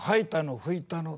拭いたの？